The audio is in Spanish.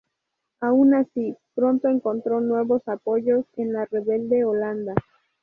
Aun así, pronto encontró nuevos apoyos en la rebelde Holanda.